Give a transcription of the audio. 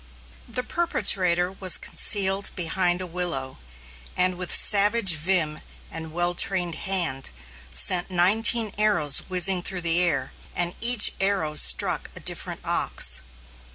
The perpetrator was concealed behind a willow, and with savage vim and well trained hand, sent nineteen arrows whizzing through the air, and each arrow struck a different ox.